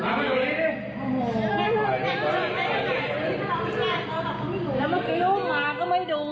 แล้วมันกินมามันไม่ดู